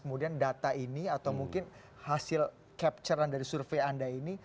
kemudian data ini atau mungkin hasil capture an dari survei anda ini